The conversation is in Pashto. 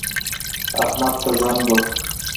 احمد ته زنګ وکړه